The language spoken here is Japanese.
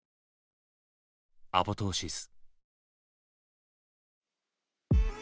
「アポトーシス」。